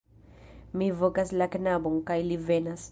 Mi vokas la knabon, kaj li venas.